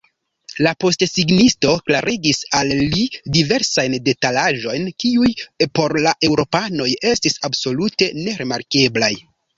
La postesignisto klarigis al li diversajn detalaĵojn, kiuj por la eŭropanoj estis absolute nerimarkeblaj.